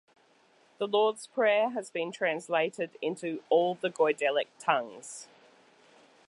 The Lord's Prayer has been translated into all the Goidelic tongues.